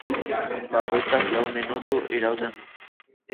Bakoitzak lau minutu irauten du.